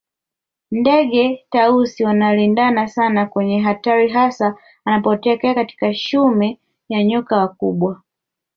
Ndege Tausi wanalindana sana kwenye hatari hasa anapotokea paka shume na nyoka wakubwa